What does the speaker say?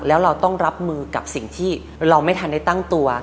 แล้วเราต้องรับมือกับสิ่งที่เราไม่ทันได้ตั้งตัว